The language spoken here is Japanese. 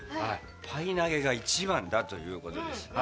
パイ投げが一番だということです。